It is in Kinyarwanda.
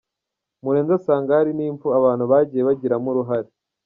Murenzi asanga hari n’impfu abantu bagiye bagiramo uruhare.